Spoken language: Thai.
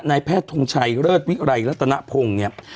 ในแพทย์ทงชัยเลิศวิรัยและตนาพงศ์เนี่ย